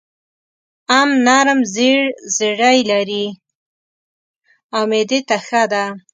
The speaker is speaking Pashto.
ام نرم زېړ زړي لري او معدې ته ښه ده.